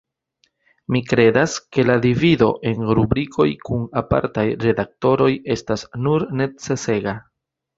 Mi kredas, ke la divido en rubrikoj kun apartaj redaktoroj estas nun necesega.